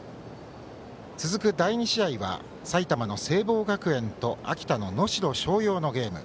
続く第２試合は埼玉の聖望学園と秋田の能代松陽のゲーム。